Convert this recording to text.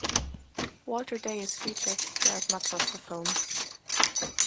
Walter Day is featured throughout much of the film.